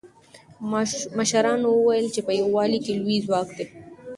مشرانو وویل چې په یووالي کې لوی ځواک دی.